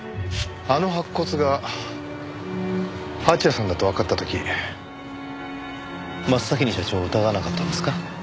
あの白骨が蜂矢さんだとわかった時真っ先に社長を疑わなかったんですか？